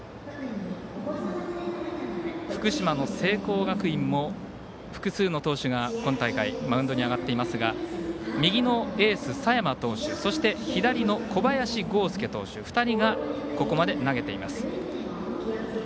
福島の聖光学院も複数の投手が今大会マウンドに上がっていますが右のエース佐山投手、左の小林剛介投手２人が、ここまで投げています。